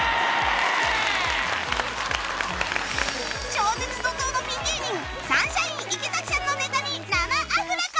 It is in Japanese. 超絶怒涛のピン芸人サンシャイン池崎さんのネタに生アフレコ！